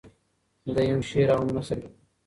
دی هم شعر او هم نثر لیکي.